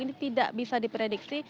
ini tidak bisa diprediksi